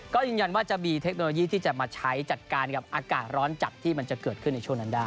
ก็ยืนยันว่าจะมีเทคโนโลยีที่จะมาใช้จัดการกับอากาศร้อนจัดที่มันจะเกิดขึ้นในช่วงนั้นได้